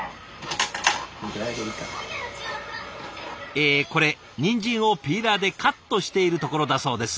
えこれにんじんをピーラーでカットしているところだそうです。